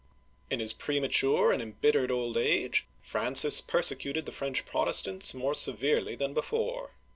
In his premature and embittered old age Francis per secuted the French Protestants more severely than before.